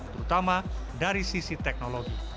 terutama dari sisi teknologi